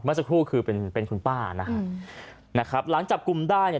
สักครู่คือเป็นเป็นคุณป้านะครับนะครับหลังจับกลุ่มได้เนี่ย